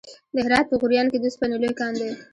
د هرات په غوریان کې د وسپنې لوی کان دی.